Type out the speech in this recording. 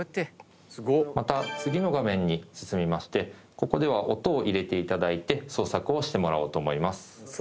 また次の画面に進みましてここでは音を入れていただいて創作をしてもらおうと思います。